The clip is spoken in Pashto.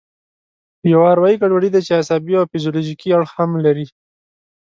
یوه اروایي ګډوډي ده چې عصبي او فزیولوژیکي اړخ هم لري.